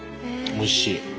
おいしい。